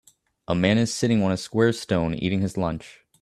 A man is sitting on a square stone eating his lunch